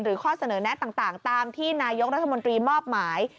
ข้อเสนอแนะต่างตามที่นายกรัฐมนตรีมอบหมาย